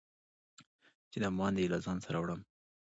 چې د باندي یې له ځان سره وړم